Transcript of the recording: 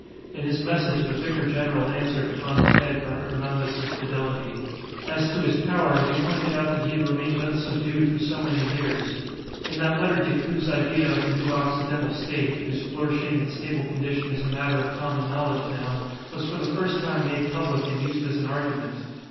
In his message the Vicar General answered upon his head for Hernandez's fidelity. As to his power, he pointed out that he had remained unsubdued for so many years. In that letter Decoud's idea of the new Occidental State (whose flourishing and stable condition is a matter of common knowledge now) was for the first time made public and used as an argument.